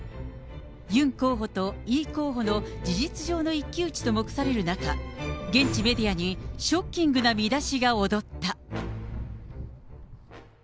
ユン候補とイ候補の事実上の一騎打ちと目される中、現地メディアにショッキングな見出しが躍った。